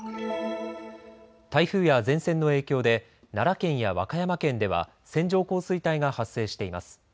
台風や前線の影響で奈良県や和歌山県では線状降水帯が発生しています。